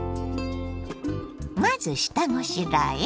まず下ごしらえ。